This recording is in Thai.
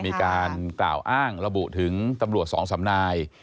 มีการกล่าวอ้างระบุถึงตำรวจสองสำนาย